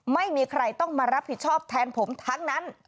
ไม่มีใครต้องมารับผิดชอบแทนผมทั้งนั้น